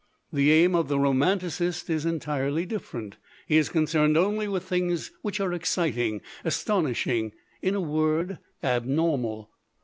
"The aim of the romanticist is entirely differ ent. He is concerned only with things which are exciting, astonishing in a word, abnormal.